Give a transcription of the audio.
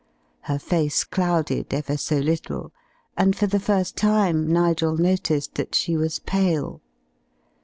Her face clouded ever so little, and for the first time Nigel noticed that she was pale.